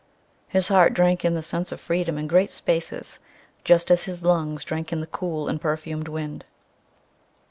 His heart drank in the sense of freedom and great spaces just as his lungs drank in the cool and perfumed wind.